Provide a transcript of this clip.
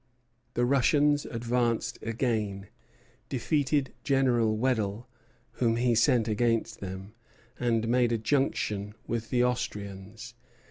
The Russians advanced again, defeated General Wedell, whom he sent against them, and made a junction with the Austrians.